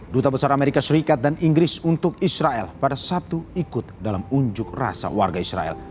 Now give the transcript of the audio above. duta besar amerika serikat dan inggris untuk israel pada sabtu ikut dalam unjuk rasa warga israel